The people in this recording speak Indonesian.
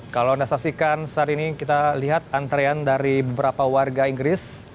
kalau anda saksikan saat ini kita lihat antrean dari beberapa warga inggris